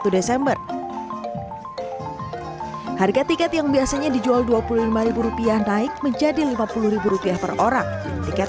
satu desember harga tiket yang biasanya dijual dua puluh lima rupiah naik menjadi lima puluh rupiah per orang tiket